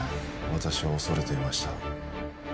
私は恐れていました